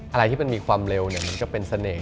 อะไรที่มันมีความเร็วมันก็เป็นเสน่ห